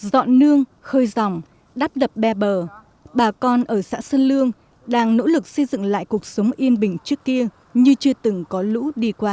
dọn nương khơi dòng đắp đập bè bờ bà con ở xã sơn lương đang nỗ lực xây dựng lại cuộc sống yên bình trước kia như chưa từng có lũ đi qua